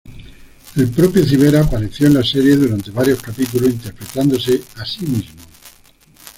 El propio Civera apareció en la serie durante varios capítulos interpretándose a sí mismo.